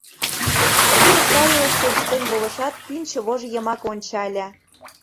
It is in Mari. Курык тайылыш тӧрштен волышат, пӱнчӧ вож йымаке ончале...